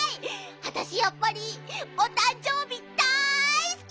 あたしやっぱりおたんじょうびだいすき！